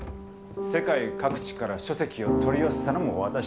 世界各地から書籍を取り寄せたのも私だ。